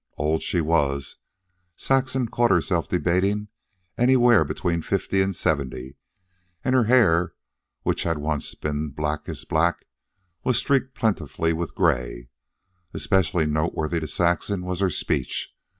Old she was Saxon caught herself debating anywhere between fifty and seventy; and her hair, which had once been blackest black, was streaked plentifully with gray. Especially noteworthy to Saxon was her speech.